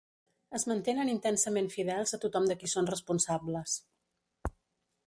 Es mantenen intensament fidels a tothom de qui són responsables.